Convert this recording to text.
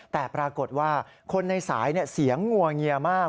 แต่ปรากฏว่าคนในสายเสียงงัวเงียมาก